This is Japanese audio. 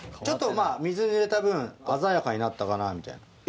ちょっとまぁ水にぬれた分鮮やかになったかなみたいな。